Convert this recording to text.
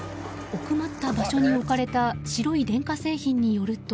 奥まった場所に置かれた白い電化製品によると。